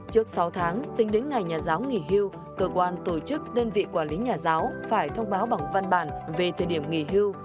trước sáu tháng tính đến ngày nhà giáo nghỉ hưu cơ quan tổ chức đơn vị quản lý nhà giáo phải thông báo bằng văn bản về thời điểm nghỉ hưu